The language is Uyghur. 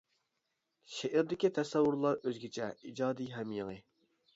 شېئىردىكى تەسەۋۋۇرلار ئۆزگىچە، ئىجادى ھەم يېڭى.